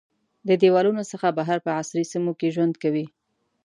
د دیوالونو څخه بهر په عصري سیمو کې ژوند کوي.